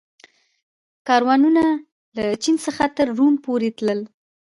کاروانونه له چین څخه تر روم پورې تلل